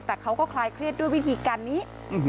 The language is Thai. แต่เขาก็คลายเครียดด้วยวิธีการนี้